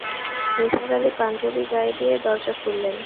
নিসার আলি পাঞ্জাবি গায়ে দিয়ে দরজা খুললেন।